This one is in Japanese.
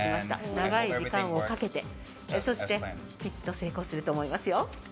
長い時間をかけてそしてきっと成功すると思いますよ。